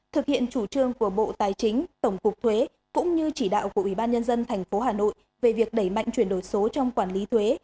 thực hiện chủ trương của bộ tài chính tổng cục thuế cũng như chỉ đạo của ủy ban nhân dân tp hà nội về việc đẩy mạnh chuyển đổi số trong quản lý thuế